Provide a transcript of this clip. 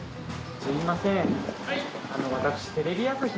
すみません。